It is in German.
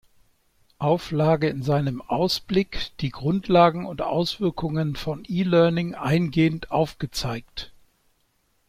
Auflage in seinem „Ausblick“ die Grundlagen und Auswirkungen von E-Learning eingehend aufgezeigt.